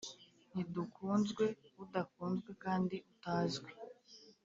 ntidukunzwe, udakunzwe kandi utazwi.